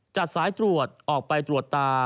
สายตรวจออกไปตรวจตา